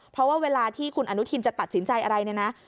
เพราะว่าเวลาที่คุณอนุทินจะตัดสินใจอะไรเนี่ยนะ